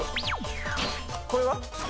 これは？